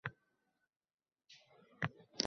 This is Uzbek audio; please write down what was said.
Men faqir fuqaro, sen hazrat, hoqon